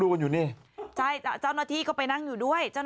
ดูกันอยู่นี่ใช่อ่ะเจ้านัทีก็ไปนั่งอยู่ด้วยเจ้า